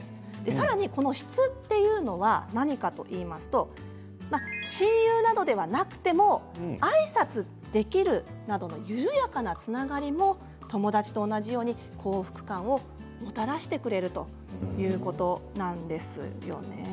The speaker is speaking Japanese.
さらに、この質というのは何かといいますと親友などではなくてもあいさつできるなど緩やかなつながりも友達と同じように幸福感をもたらしてくれるということなんです。